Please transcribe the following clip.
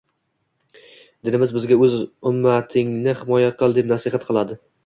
Dinimiz bizga o‘z ummatingni himoya qil deb nasihat qiladi